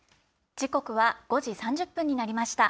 時刻は５時３０分になりました。